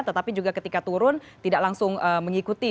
tetapi juga ketika turun tidak langsung mengikuti